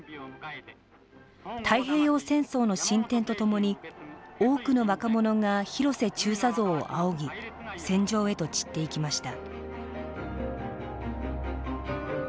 太平洋戦争の進展とともに多くの若者が広瀬中佐像を仰ぎ戦場へと散っていきました。